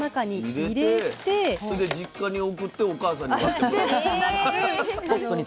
それで実家に送ってお母さんに割ってもらう。